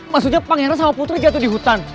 maksudnya pangeran sama putri jatuh di hutan